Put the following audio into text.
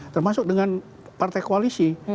termasuk dengan partai koalisi